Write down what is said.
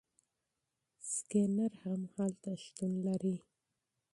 سکینر هم هلته شتون لري.